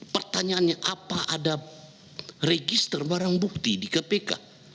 pertanyaannya apa ada register barang bukti di kpk